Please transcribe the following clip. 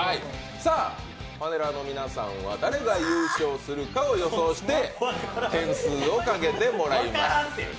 パネラーの皆さんは誰が優勝するかを予想して点数をかけてもらいます。